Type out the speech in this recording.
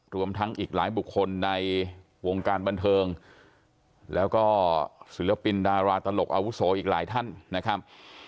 รวมทั้งอีกหลายบุคคลในวงการบันเทิงแล้วก็ศิลปินดาราตลกอาวุโสอีกหลายท่านนะครับ